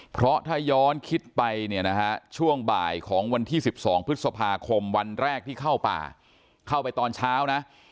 เพราะถ้าย้อนคิดไปเนี่ยนะฮะช่วงบ่ายของวันที่๑๒พฤษภาคมวันแรกที่เข้าป่าเข้าไปตอนเช้านะ